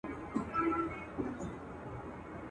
تیاري رخصتوم دي رباتونه رڼاکیږي.